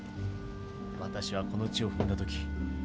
私はこの地を踏んだ時